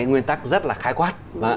nguyên tắc rất là khái quát